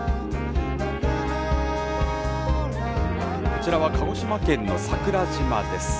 こちらは鹿児島県の桜島です。